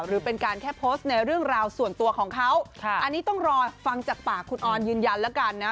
หรือเป็นการแค่โพสต์ในเรื่องราวส่วนตัวของเขาอันนี้ต้องรอฟังจากปากคุณออนยืนยันแล้วกันนะ